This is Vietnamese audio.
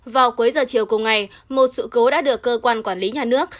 vào cuối giờ chiều cùng ngày một sự cố đã được cơ quan quản lý nhà nước